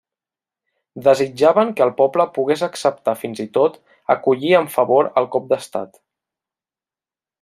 Desitjaven que el poble pogués acceptar fins i tot acollir amb favor el cop d'estat.